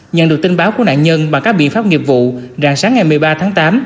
nhận được tin báo của nạn nhân bằng các biện pháp nghiệp vụ rạng sáng ngày một mươi ba tháng tám